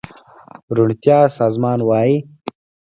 روڼتيا سازمان وايي